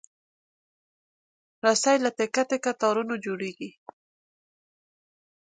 رسۍ له تکه تکه تارونو جوړېږي.